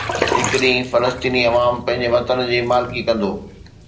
هڪ ڏينهن فلسطيني عوام پنهنجي وطن جي مالڪي ڪندو